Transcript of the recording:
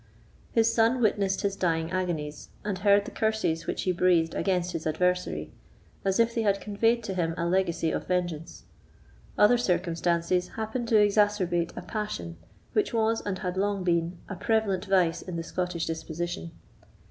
His son witnessed his dying agonies, and heard the curses which he breathed against his adversary, as if they had conveyed to him a legacy of vengeance. Other circumstances happened to exasperate a passion which was, and had long been, a prevalent vice in the Scottish disposition.